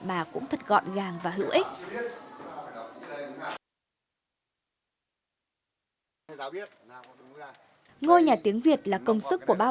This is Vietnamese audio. à tô hoa đấy đúng nào